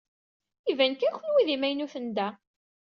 Iban kan kenwi d imaynuten da.